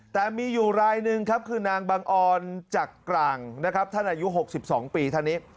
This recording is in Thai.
แต่มีอยู่รายหนึ่งครับคือนางบังออนจักกลางนะครับท่านอายุ๖๒ปีท่านนี้